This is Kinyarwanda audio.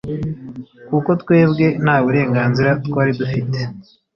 kuko twebwe nta n’uburenganzira twari dufite